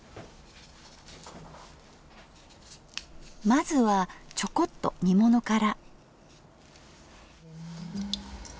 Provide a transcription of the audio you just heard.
まずはちょこっと煮物から。